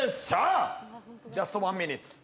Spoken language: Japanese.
ジャスト・ワン・ミニッツ。